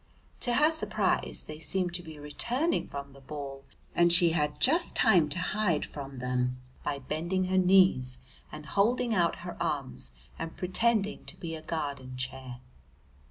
To her surprise they seemed to be returning from the ball, and she had just time to hide from them by bending her knees and holding out her arms and pretending to be a garden chair.